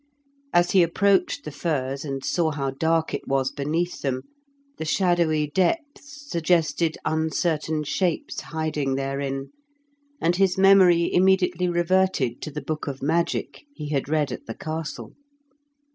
As he approached the firs and saw how dark it was beneath them, the shadowy depths suggested uncertain shapes hiding therein, and his memory immediately reverted to the book of magic he had read at the castle.